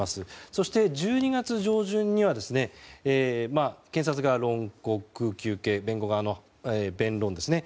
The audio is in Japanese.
そして１２月上旬には検察側の論告・求刑弁護側の弁論ですね。